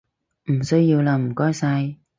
唔需要喇唔該晒